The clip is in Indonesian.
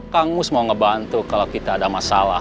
kang mus mau ngebantu kalau kita ada masalah